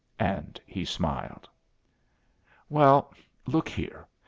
And he smiled. "Well, look here.